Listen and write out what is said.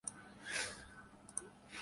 دوسرا گیئر لگاؤ